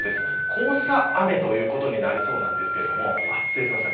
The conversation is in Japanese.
黄砂雨ということになりそうですが失礼しました。